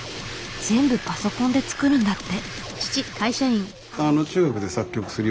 全部パソコンで作るんだって。